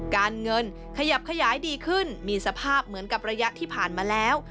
การเงินขยับขยายดีขึ้นมีสภาพเหมือนกับระยะที่ผ่านมาแล้ว